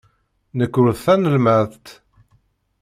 Nekk ur d tanelmadt.